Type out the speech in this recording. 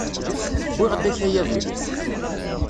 Wwiɣ-d akayad-nni.